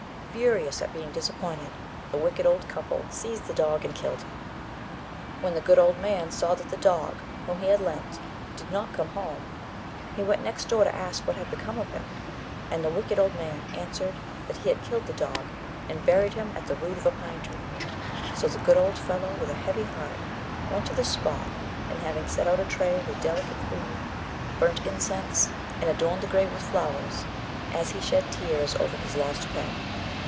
Furious at being disappointed, the wicked old couple seized the dog, and killed him. When the good old man saw that the dog, whom he had lent, did not come home, he went next door to ask what had become of him; and the wicked old man answered that he had killed the dog, and buried him at the root of a pine tree; so the good old fellow, with, a heavy heart, went to the spot, and, having set out a tray with delicate food, burnt incense, and adorned the grave with flowers, as he shed tears over his lost pet.